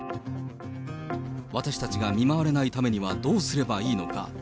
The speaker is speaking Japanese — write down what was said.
私たちが見舞われないためにはどうすればいいのか。